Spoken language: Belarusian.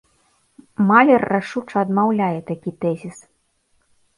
Малер рашуча адмаўляе такі тэзіс.